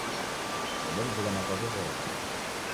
Odemzighana kwa w'ughoma